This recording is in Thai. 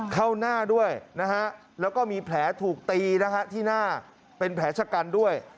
เข้าหน้าด้วยนะฮะแล้วก็มีแผลถูกตีนะฮะที่หน้าเป็นแผลชะกันด้วย